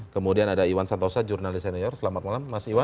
kemudian ada iwan santosa jurnalis senior selamat malam mas iwan